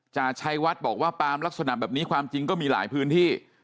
ชัยวัดบอกว่าปาล์มลักษณะแบบนี้ความจริงก็มีหลายพื้นที่